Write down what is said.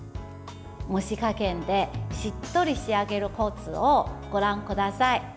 蒸し加減でしっとり仕上げるコツをご覧ください。